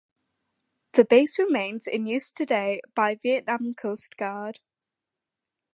The base remains in use today by the Vietnam Coast Guard.